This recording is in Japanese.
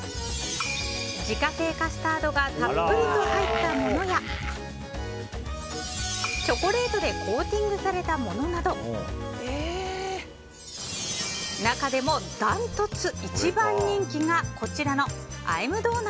自家製カスタードがたっぷりと入ったものやチョコレートでコーティングされたものなど中でも、断トツ一番人気がこちらのＩ’ｍｄｏｎｕｔ？。